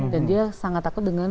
dan dia sangat takut dengan